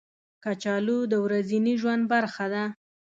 کچالو د ورځني ژوند برخه ده